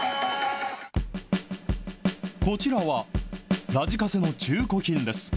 こちらは、ラジカセの中古品です。